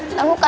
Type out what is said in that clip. biar siapa ya